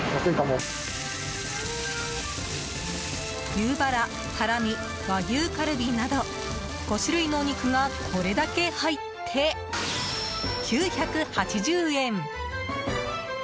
牛バラ、ハラミ和牛カルビなど５種類のお肉がこれだけ入って９８０円！